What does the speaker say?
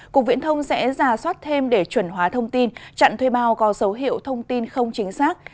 cục viễn thông sẽ giả soát thêm để chuẩn hóa thông tin chặn thuê bao có dấu hiệu thông tin không chính xác